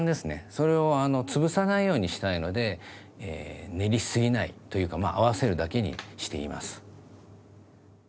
それを潰さないようにしたいので練りすぎないというかまあ合わせるだけにしています。